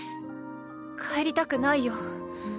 帰りたくないよ。